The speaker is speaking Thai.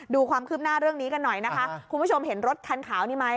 ดูความคืบหน้าเรื่องนี้กันหน่อยนะคะคุณผู้ชมเห็นรถคันขาวนี่ไหม